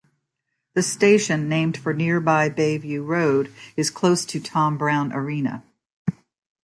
The station, named for nearby Bayview Road, is close to Tom Brown Arena.